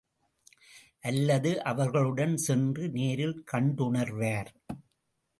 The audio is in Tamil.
அல்லது அவர்களுடன் சென்று நேரில் கண்டுணர்வார்.